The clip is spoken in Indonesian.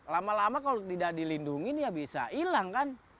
lama lama kalau tidak dilindungi ya bisa hilang kan